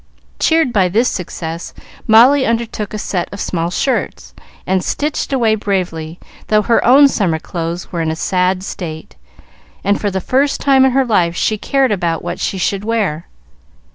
Cheered by this success, Molly undertook a set of small shirts, and stitched away bravely, though her own summer clothes were in a sad state, and for the first time in her life she cared about what she should wear.